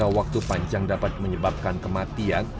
waktu panjang dapat menyebabkan kematian